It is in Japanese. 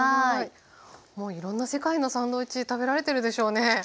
もういろんな世界のサンドイッチ食べられてるでしょうね？